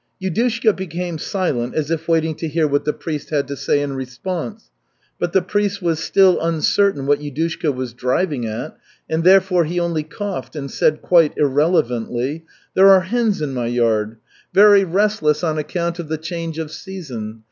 Yudushka became silent as if waiting to hear what the priest had to say in response, but the priest was still uncertain what Yudushka was driving at and therefore he only coughed and said quite irrelevantly: "There are hens in my yard very restless on account of the change of season.